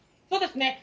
そうですね。